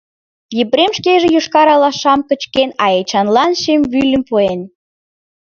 Епрем шкеже йошкар алашам кычкен, а Эчанлан шем вӱльым пуэн.